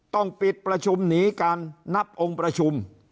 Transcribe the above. ต้องปิดประชุมหนีการนับองค์ประชุม